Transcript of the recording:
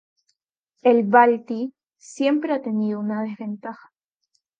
El balti siempre ha tenido una desventaja.